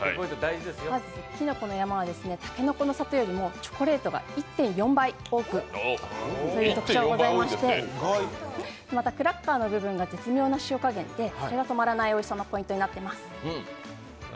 きのこの山はたけのこの里よりもチョコレートが１．４倍多いという特徴がございまして、またクラッカーの部分が絶妙な塩加減でそれが止まらないおいしさのポイントになっています。